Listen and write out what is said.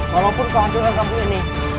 walaupun kau hancurkan kampung ini